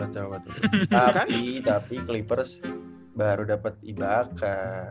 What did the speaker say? tapi clippers baru dapet ibaka